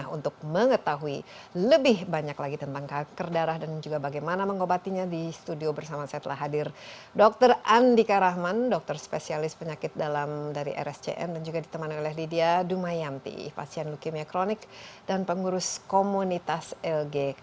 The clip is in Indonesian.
untuk mengetahui lebih banyak lagi tentang kanker darah dan juga bagaimana mengobatinya di studio bersama saya telah hadir dr andika rahman dokter spesialis penyakit dalam dari rscn dan juga ditemani oleh lydia dumayanti pasien leukemia kronik dan pengurus komunitas lgk